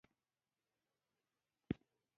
څوک ذهني ناروغ دی.